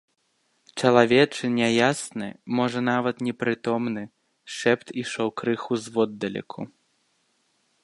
Чалавечы няясны, можа нават непрытомны, шэпт ішоў крыху зводдалеку.